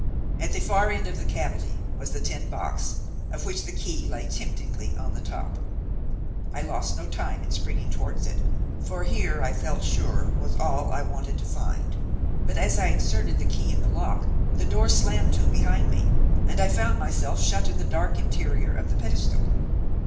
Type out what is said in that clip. At the far end of the cavity was the tin box, of which the key lay temptingly on the top. I lost no time in springing towards it, for here I felt sure was all I wanted to find, but as I inserted the key in the lock the door slammed to behind me and I found myself shut in the dark interior of the pedestal.